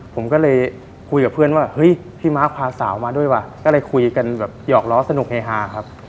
ผมก็เลยคุยกับเพื่อนว่าเฮ้ยพี่ม้าพาสาวมาด้วยว่ะก็เลยคุยกันแบบหยอกล้อสนุกเฮฮาครับ